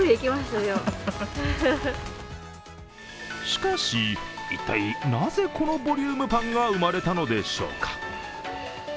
しかし、一体なぜこのボリュームパンが生まれたのでしょうか。